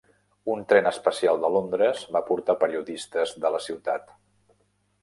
Un tren especial de Londres va portar periodistes de la ciutat.